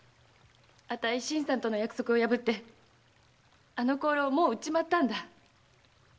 あたい新さんとの約束を破ってあの香炉をもう売っちまったんだ。